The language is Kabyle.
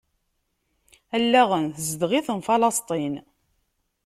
Allaɣen tezdeɣ-iten Falesṭin.